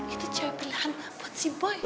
itu cewek pilihan buat si boy